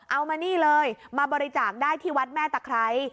มานี่เลยมาบริจาคได้ที่วัดแม่ตะไคร้